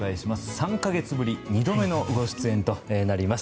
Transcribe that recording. ３か月ぶり２度目のご出演となります